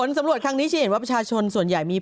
รถตำรวจทางนี้จะเย็นว่าประชาชนส่วนใหญ่